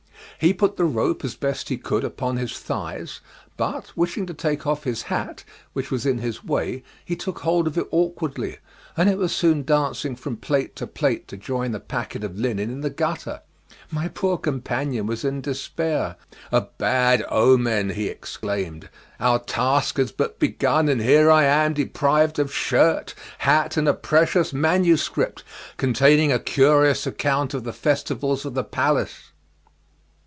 He put the rope as best he could upon his thighs, but wishing to take off his hat, which was in his way, he took hold of it awkwardly, and it was soon dancing from plate to plate to join the packet of linen in the gutter. My poor companion was in despair. "A bad omen," he exclaimed; "our task is but begun and here am I deprived of shirt, hat, and a precious manuscript, containing a curious account of the festivals of the palace."